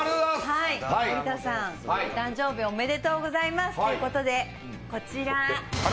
森田さん、お誕生日おめでとうございますということで、こちら。